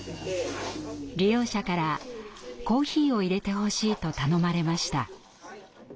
利用者からコーヒーを入れてほしいと頼まれました。